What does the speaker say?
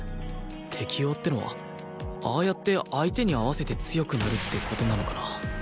適応ってのはああやって相手に合わせて強くなるって事なのかな？